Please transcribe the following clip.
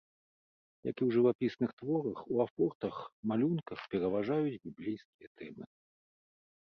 Як і ў жывапісных творах, у афортах, малюнках пераважаюць біблейскія тэмы.